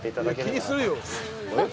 気にするよ。